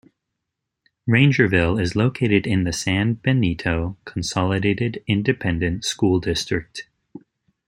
Rangerville is located in the San Benito Consolidated Independent School District.